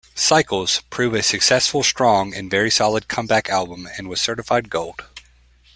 "Cycles" proved a successful, strong and very solid comeback album and was certified Gold.